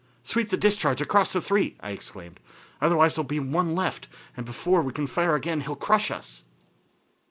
"Sweep the discharge across the three," I exclaimed. "Otherwise there will be one left and before we can fire again he will crush us."